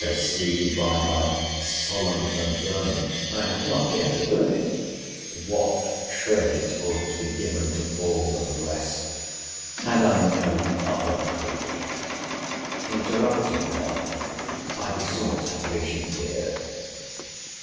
I see by thy solemn averment [I had not yet averred it,] what credit ought to be given to all the rest. Had I no other proof—— Interrupting her, I besought her patient ear.